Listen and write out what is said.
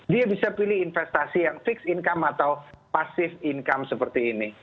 dia bisa pilih investasi yang fixed income atau pasif income seperti ini